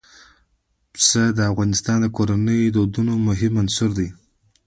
پسه د افغان کورنیو د دودونو مهم عنصر دی.